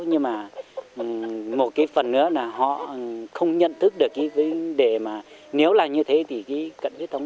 nhưng mà một cái phần nữa là họ không nhận thức được cái vấn đề mà nếu là như thế thì cận huyết thống